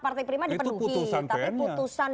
partai prima dipenuhi itu putusan pn nya tapi putusan